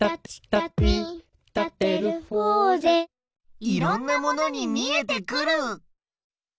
いろんなものにみえてくる！